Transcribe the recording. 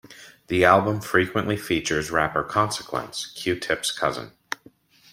The album frequently features rapper Consequence, Q-Tip's cousin.